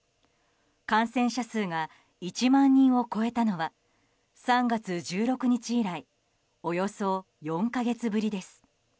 感染者数が１万人を超えたのは３月１６日以来およそ４か月ぶりです。